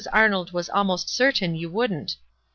Arnold was almost certain you wouldn't.